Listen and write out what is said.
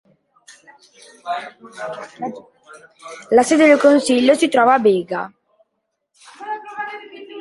La sede del consiglio si trova a Bega.